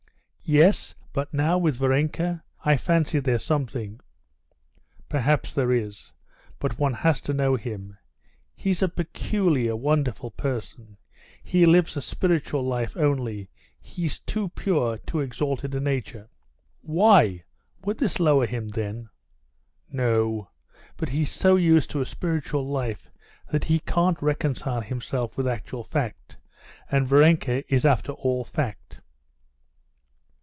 "Yes, but now with Varenka ... I fancy there's something...." "Perhaps there is.... But one has to know him.... He's a peculiar, wonderful person. He lives a spiritual life only. He's too pure, too exalted a nature." "Why? Would this lower him, then?" "No, but he's so used to a spiritual life that he can't reconcile himself with actual fact, and Varenka is after all fact."